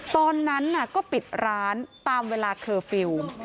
ตอนนั้นก็ปิดร้านตามเวลาเคอร์ฟิลล์